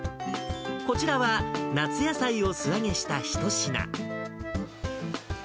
こちらは、夏野菜を素揚げした一品。